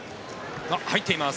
入っています。